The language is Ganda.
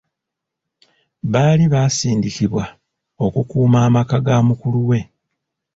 Baali baasindikibwa okukuuma amaka ga mukulu we.